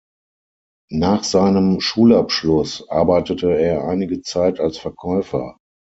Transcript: Nach seinem Schulabschluss arbeitete er einige Zeit als Verkäufer.